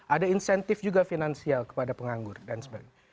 ada insentif juga finansial kepada penganggur dan sebagainya